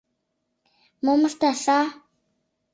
Мом ышташ, а?